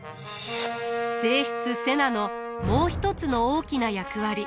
正室瀬名のもう一つの大きな役割。